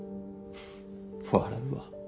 笑うわ。